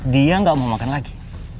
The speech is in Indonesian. dia nggak mau makan lagi